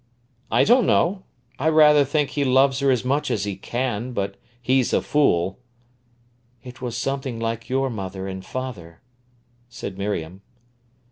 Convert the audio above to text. "I don't know. I rather think he loves her as much as he can, but he's a fool." "It was something like your mother and father," said Miriam.